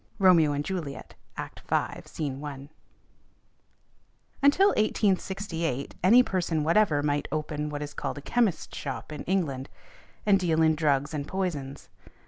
ROMEO AND JULIET, Act. V., SC. 1. Until 1868, any person whatever might open what is called a chemist's shop in England, and deal in drugs and poisons.